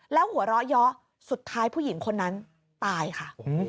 แล้วหัวเราะเยอะสุดท้ายผู้หญิงคนนั้นตายค่ะ